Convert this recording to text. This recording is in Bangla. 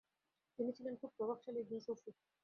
তিনি ছিলেন খুব প্রভাবশালী একজন সূফী।